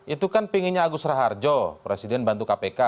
itu kan pinginnya agusra harjo presiden bantu kpk